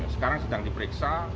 sekarang sedang diperiksa